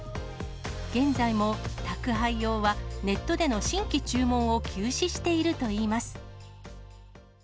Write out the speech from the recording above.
現在も宅配用は、ネットでの新規注文を休止しているといいます。